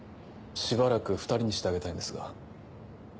しばらく２人にしてあげたいんですが。